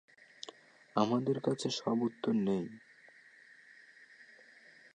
আমাদের কাছে সব উত্তর নেই।